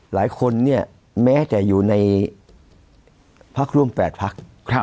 หลายคนเนี่ยแม้จะอยู่ในพักร่วม๘พัก